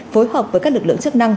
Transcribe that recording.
phối hợp với các lực lượng chức năng